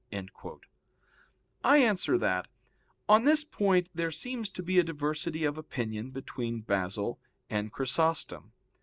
I answer that, On this point there seems to be a diversity of opinion between Basil and Chrysostom.